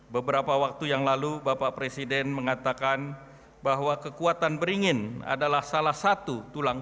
beberapa waktu yang lalu bapak presiden mengatakan bahwa kekuatan beringin adalah salah satu tulang